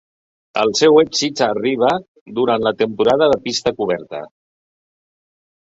El seu èxit arriba durant la temporada de pista coberta.